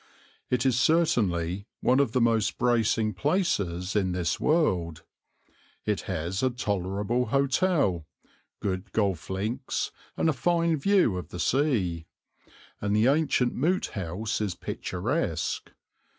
It is certainly one of the most bracing places in this world. It has a tolerable hotel, good golf links, and a fine view of the sea; and the ancient moot house is picturesque.